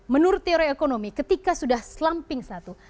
menurut teori ekonomi ketika sudah slumping satu